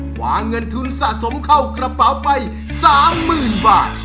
คว้าเงินทุนสะสมเข้ากระเป๋าไป๓๐๐๐บาท